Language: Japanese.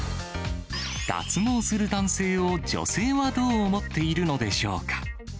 脱毛する男性を女性はどう思っているのでしょうか。